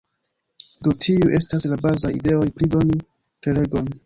Do tiuj estas la bazaj ideoj pri doni prelegon.